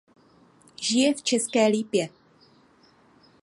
Žije v České Lípě.